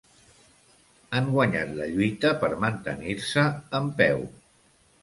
Han guanyat la lluita per mantenir-se en peu.